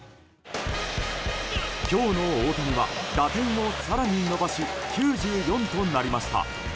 今日の大谷は打点を更に伸ばし９４となりました。